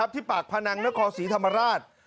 ที่ปากพนังนครศรีธรรมราช